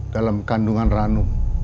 dalam kandungan ranu